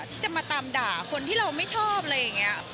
ที่จะมาตามด่าคนที่เราไม่ชอบอะไรอย่างนี้